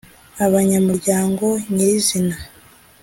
Abanyamuryango nyir izina